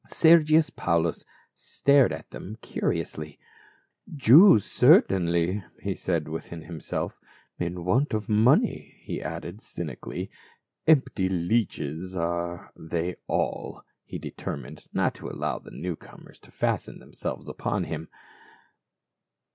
Sergius Paulus stared at them curiously. "Jews, certainly," he said within himself. " In want of money," he added cynically — "empty leeches as are they all :" he determined not to allow the new comers to fasten themselves upon him.